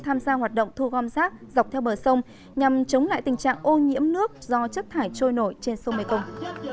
tham gia hoạt động thu gom rác dọc theo bờ sông nhằm chống lại tình trạng ô nhiễm nước do chất thải trôi nổi trên sông mekong